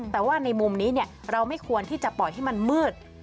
แต่ว่าในมุมนี้เราไม่ควรที่จะปล่อยให้มันมืด